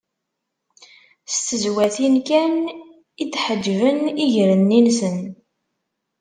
S tezwatin kan i d-ḥeǧben iger-nni-nsen.